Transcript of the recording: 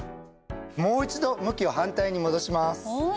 もう一度向きを反対に戻します。